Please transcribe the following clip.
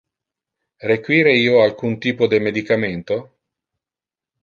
Require io alcun typo de medicamento?